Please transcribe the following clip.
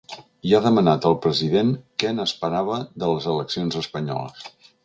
I ha demanat al president què n’esperava de les eleccions espanyoles.